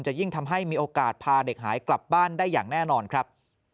ยิ่งทำให้มีโอกาสพาเด็กหายกลับบ้านได้อย่างแน่นอนครับ